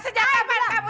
sejak kapan kamu